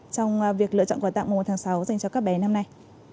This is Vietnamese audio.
trong việc lựa chọn quà tặng một một sáu dành cho các bé năm nay